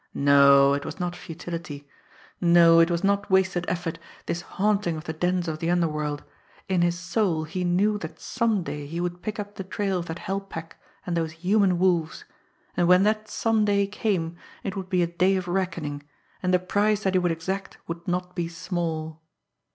No, it was not futility; no, it was not wasted effort this haunting of the dens of the underworld! In his soul he knew that some day he would pick up the trail of that hell pack and those human wolves and when that some day came it would be a day of reckoning, and the price that he would exact would not be small!